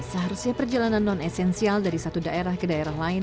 seharusnya perjalanan non esensial dari satu daerah ke daerah lain